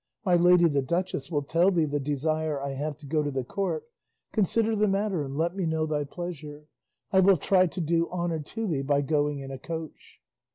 My lady the duchess will tell thee the desire I have to go to the Court; consider the matter and let me know thy pleasure; I will try to do honour to thee by going in a coach.